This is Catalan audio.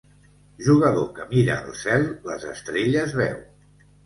Jugador que mira el cel, les estrelles veu.